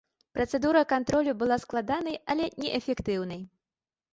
Працэдура кантролю была складанай, але неэфектыўнай.